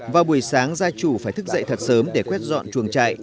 vào buổi sáng gia chủ phải thức dậy thật sớm để quét dọn chuồng chạy